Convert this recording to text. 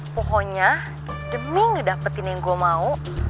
pokoknya demi ngedapetin yang gue mau